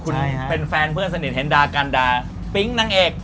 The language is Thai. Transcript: คุณเป็นแฟนเพื่อนสนิทเห็นด่ากันด่าปิ๊งนางเอก